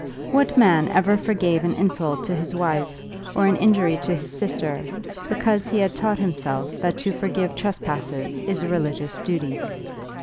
What man ever forgave an insult to his wife or an injury to his sister, because he had taught himself that to forgive trespasses is a religious duty?